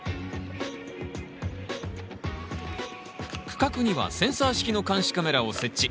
区画にはセンサー式の監視カメラを設置。